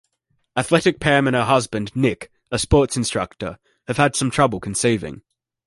Athletic Pam and her husband, Nick, a sports instructor, have had some trouble conceiving.